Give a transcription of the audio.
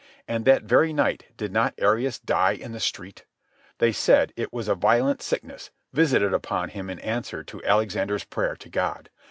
And that very night did not Arius die in the street? They said it was a violent sickness visited upon him in answer to Alexander's prayer to God.